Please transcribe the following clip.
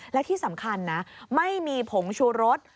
และที่สำคัญนะไม่มีผงชูรส